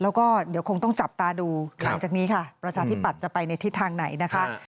แล้วก็เดี๋ยวคงต้องจับตาดูหลังจากนี้ค่ะประชาธิปัตย์จะไปในทิศทางไหนนะคะ